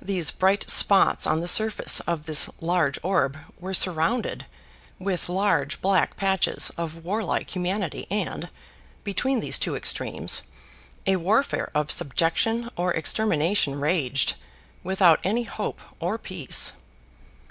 These bright spots on the surface of this large orb were surrounded with large black patches of war like humanity and, between these two extremes, a warfare of subjection or extermination raged without any hope or peace.